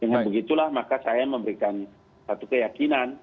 dengan begitulah maka saya memberikan satu keyakinan